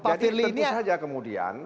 jadi tentu saja kemudian